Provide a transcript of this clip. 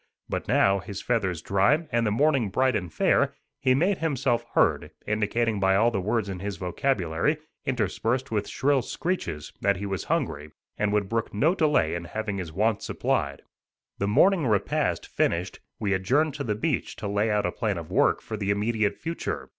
But now, his feathers dry, and the morning bright and fair, he made himself heard, indicating by all the words in his vocabulary, interspersed with shrill screeches, that he was hungry, and would brook no delay in having his wants supplied. The morning repast finished, we adjourned to the beach to lay out a plan of work for the immediate future.